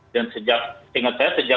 dan sejak ingat saya